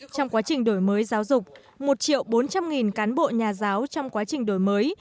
trong quá trình đổi mới giáo dục một bốn trăm linh cán bộ nhà giáo trong quá trình đổi mới